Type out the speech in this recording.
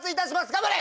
頑張れ！